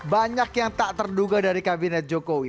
banyak yang tak terduga dari kabinet jokowi